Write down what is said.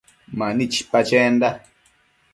Mani chipa chenda